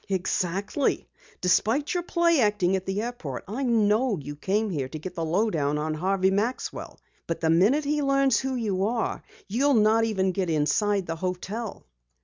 "Exactly! Despite your play acting at the airport, I know you came here to get the low down on Harvey Maxwell. But the minute he learns who you are you'll not even get inside the hotel."